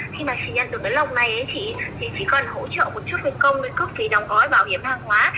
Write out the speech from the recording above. khi mà chị nhận được cái lồng này ấy chị cần hỗ trợ một chút công công cướp phí đồng gói bảo hiểm hàng hóa